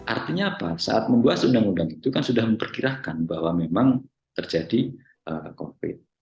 artinya apa saat membuat undang undang itu kan sudah memperkirakan bahwa memang terjadi covid